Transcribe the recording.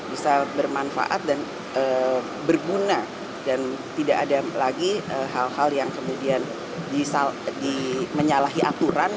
bisa bermanfaat dan berguna dan tidak ada lagi hal hal yang kemudian menyalahi aturan